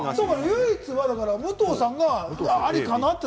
唯一は武藤さんがありかなって。